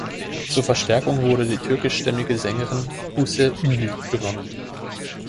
Zur Verstärkung wurde die türkischstämmige Sängerin Buse Ünlü gewonnen.